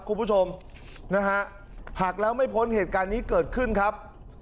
คุณผู้ชมนะฮะหักแล้วไม่พ้นเหตุการณ์นี้เกิดขึ้นครับ